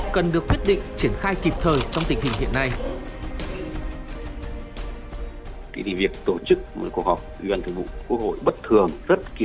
cần được quyết định triển khai kịp thời trong tình hình hiện nay